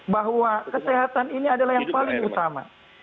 bahwa kesehatan ini adalah yang paling utama